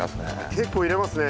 結構入れますね